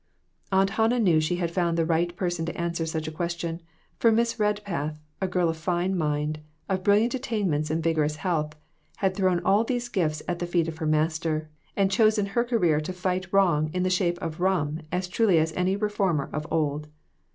Aunt Hannah knew she had found the right person to answer such a question, for Miss Red path, a girl of fine mind, of brilliant attainments and vigorous health, had thrown all these gifts at the feet of her Master, and chosen her career to fight wrong in the shape of rum as truly as any reformer of old.